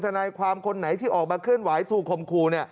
ทนายความคนไหนที่ออกมาเคลื่อนไหวถูกคมครู